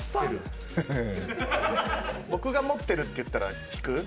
僕が持ってるって言ったら引く？